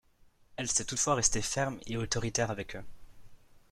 Elle sait toutefois rester ferme et autoritaire avec eux.